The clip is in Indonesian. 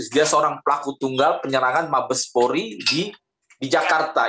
dia seorang pelaku tunggal penyerangan mabespori di jakarta